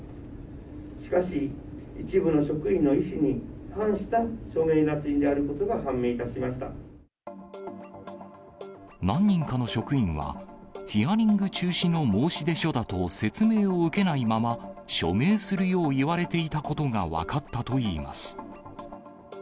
しかし、一部の職員の意思に反した署名なつ印であることが判明いたしまし何人かの職員は、ヒアリング中止の申出書だと説明を受けないまま、署名するよう言われていたことが分かったといいます。